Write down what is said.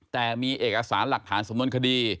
แต่มีเอกสารหลักฐานสำนวนคดี